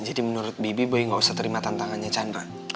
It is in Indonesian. jadi menurut bibi gue gak usah terima tantangannya chandra